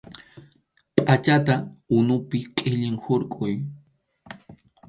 Pʼachata unupi qhillin hurquy.